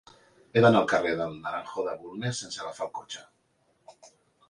He d'anar al carrer del Naranjo de Bulnes sense agafar el cotxe.